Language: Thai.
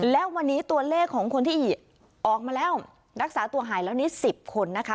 และวันนี้ตัวเลขของคนที่ออกมาแล้วรักษาตัวหายแล้วนี้๑๐คนนะคะ